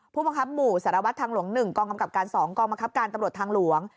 ผู้บังคับหมู่สารวัตรทางหลวง๑กองกำกับการ๒กองบังคับการตำรวจทางหลวง